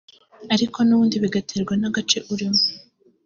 ariko n’ubundi bigaterwa n’agace urimo